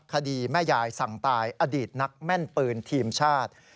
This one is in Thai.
คดีแม่ยายสั่งตายอดีตนักแม่นปืนทีมชาติ